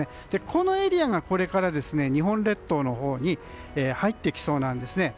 このエリアがこれから日本列島のほうに入ってきそうなんです。